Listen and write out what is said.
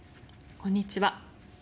こんにちは。